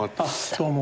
どうも。